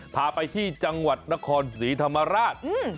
พาไปที่จังหวัดนครศรีธรรมราช